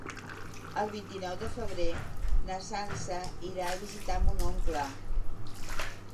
El vint-i-nou de febrer na Sança irà a visitar mon oncle.